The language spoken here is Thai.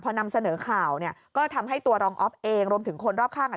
พอนำเสนอข่าวเนี่ยก็ทำให้ตัวรองอ๊อฟเองรวมถึงคนรอบข้างอ่ะ